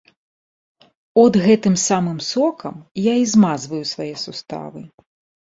От гэтым самым сокам я і змазваю свае суставы.